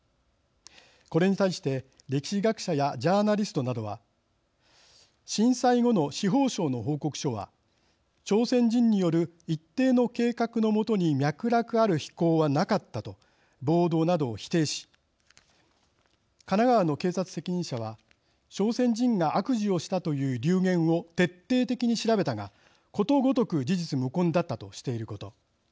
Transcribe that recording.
これに対して歴史学者やジャーナリストなどは震災後の司法省の報告書は朝鮮人による一定の計画の下に脈絡ある非行はなかったと暴動などを否定し神奈川の警察責任者は朝鮮人が悪事をしたという流言を徹底的に調べたがことごとく事実無根だったとしていること。